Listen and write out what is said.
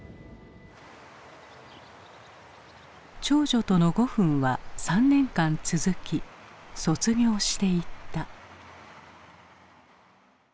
長女との５分は３年間続き卒業していった。